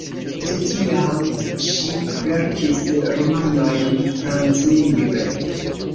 De tiam ŝi verkis romanojn franclingve.